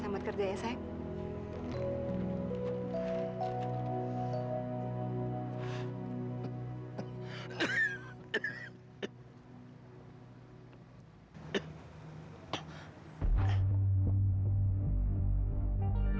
selamat kerja ya sayang